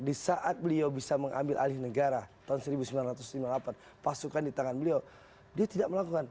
di saat beliau bisa mengambil alih negara tahun seribu sembilan ratus lima puluh delapan pasukan di tangan beliau dia tidak melakukan